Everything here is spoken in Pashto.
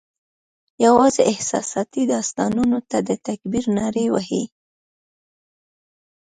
یوازي احساساتي داستانونو ته د تکبیر نارې وهي